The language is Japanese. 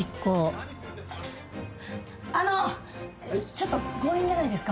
ちょっと強引じゃないですか？